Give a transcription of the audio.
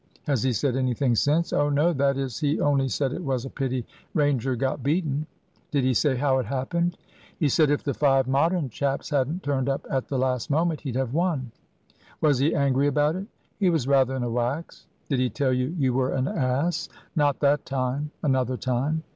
"Has he said anything since?" "Oh no; that is, he only said it was a pity Ranger got beaten." "Did he say how it happened?" "He said if the five Modern chaps hadn't turned up at the last moment, he'd have won." "Was he angry about it?" "He was rather in a wax." "Did he tell you you were an ass?" "Not that time." "Another time?"